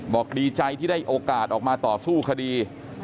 ดีใจที่ได้โอกาสออกมาต่อสู้คดี